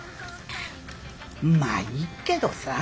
まあいいけどさ。